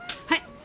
はい。